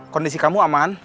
kondisi kamu aman